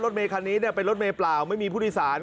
รถเมย์ขานี้เนี่ยเป็นรถเมย์เปล่าไม่มีพุทธศาสตร์